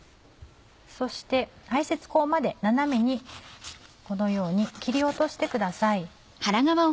そして排せつ腔まで斜めにこのように切り落としてください。